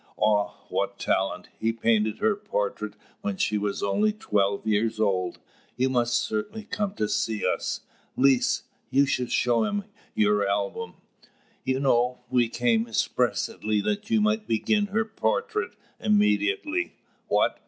Ah, what talent! He painted her portrait when she was only twelve years old. You must certainly come to see us. Lise, you shall show him your album. You know, we came expressly that you might begin her portrait immediately." "What?